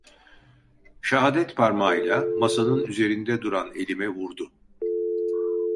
Şahadetparmağıyla, masanın üzerinde duran elime vurdu: